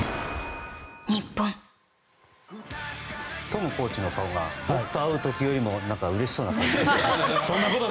トムコーチの顔が僕と会う時よりもうれしそうな感じでしたね。